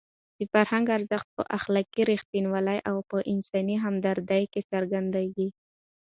د فرهنګ ارزښت په اخلاقي رښتینولۍ او په انساني همدردۍ کې څرګندېږي.